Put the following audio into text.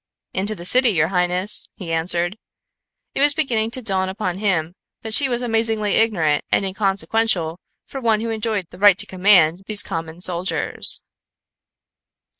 "Into the city, your highness," he answered. It was beginning to dawn upon him that she was amazingly ignorant and inconsequential for one who enjoyed the right to command these common soldiers.